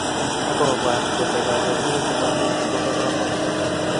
ak obwat kole kaberuret nebo mungu kobo kamangut